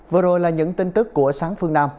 vừa rồi là những tin tức của sáng phương nam